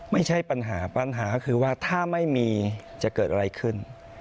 ไม่ใช่ปัญหาปัญหาก็คือว่าถ้าไม่มีจะเกิดอะไรขึ้น